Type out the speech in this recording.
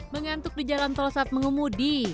mengantuk di jalan tol saat mengemudi